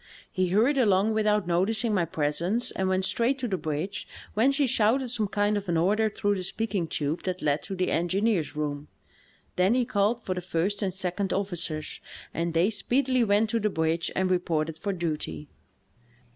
He hurried along without noticing my presence and went straight to the bridge, whence he shouted some kind of an order through the speaking tube that led to the engineer's room. Then he called for the first and second officers, and they speedily went to the bridge and reported for duty.